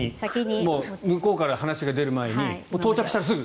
向こうから話が出る前に到着したらすぐ。